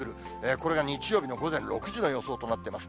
これが日曜日の午前６時の予想となっています。